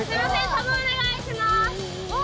タモお願いします。